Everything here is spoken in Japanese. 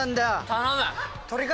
頼む。